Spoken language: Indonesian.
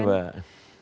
selamat pagi pak